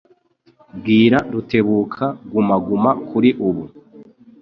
Bwira Rutebuka guma guma kuri ubu.